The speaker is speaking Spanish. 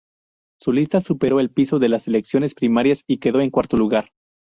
Su lista superó el piso de las elecciones primarias y quedó en cuarto lugar.